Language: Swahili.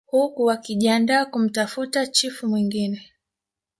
Huku wakijiandaa kumtafuta chifu mwingine